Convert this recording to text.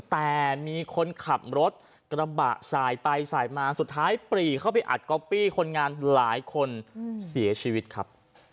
แต่มีคนขับรถกระบะสายไปสายมาสุดท้ายปรีเข้าไปอัดก๊อปปี้คนงานหลายคนเสียชีวิตครับ